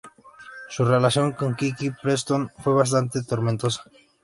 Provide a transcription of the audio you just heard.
Su relación con Kiki Preston fue bastante tormentosa.